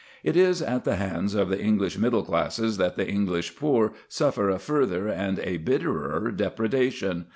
It is at the hands of the English middle classes that the English poor suffer a further and a bitterer depredation.